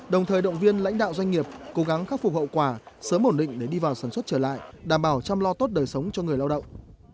đồng thời động viên lãnh đạo doanh nghiệp cố gắng khắc phục hậu quả sớm ổn định để đi vào sản xuất trở lại đảm bảo chăm lo tốt đời sống cho người lao động